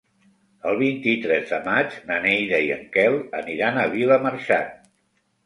El vint-i-tres de maig na Neida i en Quel aniran a Vilamarxant.